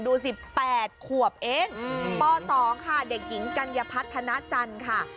ตัวสิบแปดขวบเองป๒ค่ะเด็กหญิงกัญญาพัฒนาจันทร์ค่ะ